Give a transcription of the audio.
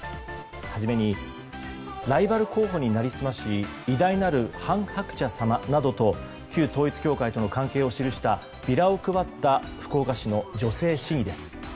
はじめにライバル候補に成り済まし偉大なる韓鶴子様と旧統一教会との関係を記したビラを配った福岡市の女性市議です。